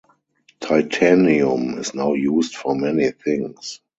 Titanium is now used for many things.